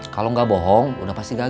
kalau nggak bohong udah pasti gagal